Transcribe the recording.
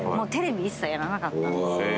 テレビ一切やらなかったんです。